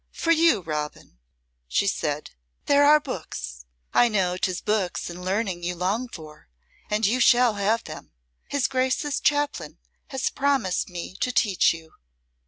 "For you, Robin," she said, "there are books. I know 'tis books and learning you long for, and you shall have them. His Grace's Chaplain has promised me to teach you."